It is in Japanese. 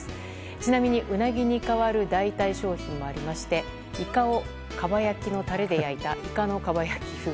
ちなみにウナギに代わる代替商品もありましてイカをかば焼きのタレで焼いたイカのかば焼き風。